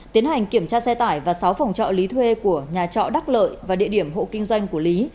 tiến hành kiểm tra xe tải và sáu phòng trọ lý thuê của nhà trọ đắc lợi và địa điểm hộ kinh doanh của lý